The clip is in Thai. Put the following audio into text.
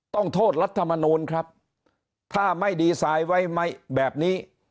โทษรัฐมนูลครับถ้าไม่ดีไซน์ไว้แบบนี้